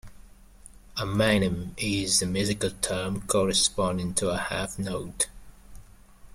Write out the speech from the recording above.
A minim is a musical term corresponding to a half note.